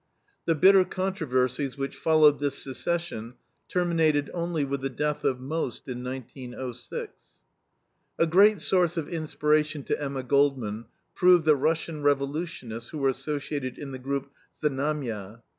The bitter controversies which followed this secession terminated only with the death of Most, in 1906. A great source of inspiration to Emma Goldman proved the Russian revolutionists who were associated in the group ZNAMYA.